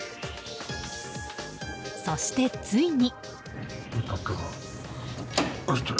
そして、ついに。